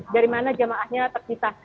dari mana jamaahnya terpisah